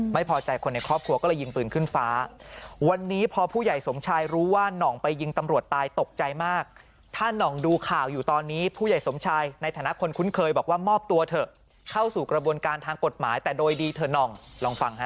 ไม่พอใจคนในครอบครัวก็เลยยิงปืนขึ้นฟ้าวันนี้พอผู้ใหญ่สมชายรู้ว่าน่องไปยิงตำรวจตายตกใจมากถ้าน่องดูข่าวอยู่ตอนนี้ผู้ใหญ่สมชายในฐานะคนคุ้นเคยบอกว่ามอบตัวเถอะเข้าสู่กระบวนการทางกฎหมายแต่โดยดีเถอะหน่องลองฟังฮะ